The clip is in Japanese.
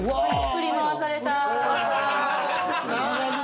振り回された。